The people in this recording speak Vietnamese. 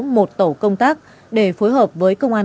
một tổ công tác để phối hợp với công an